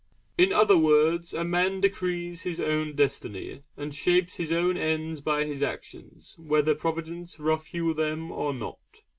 In other words, a man decrees his own destiny and shapes his own ends by his actions, whether Providence rough hew them or not.